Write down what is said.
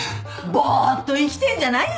ボーッと生きてんじゃないよ